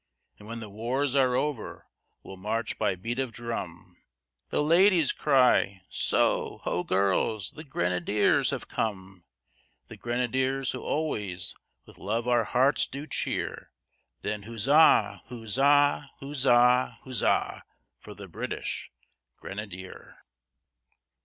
And when the wars are over, We'll march by beat of drum, The ladies cry "So, Ho girls, The Grenadiers have come! The Grenadiers who always With love our hearts do cheer. Then Huzza! Huzza! Huzza! Huzza! For the British Grenadier!"